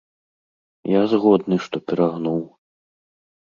Я згодны, што перагнуў.